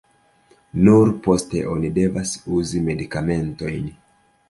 Nur poste oni devas uzi medikamentojn.